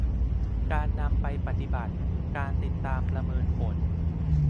การนำไปปฏิบัติ การติดตามประเมินผล